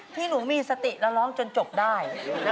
ที่หนูมีสติแล้วร้องจนจบได้